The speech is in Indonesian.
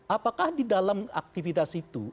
apakah di dalam aktivitas itu